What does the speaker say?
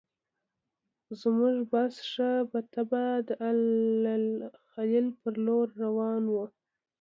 زموږ بس ښه په طبعه د الخلیل پر لوري روان و.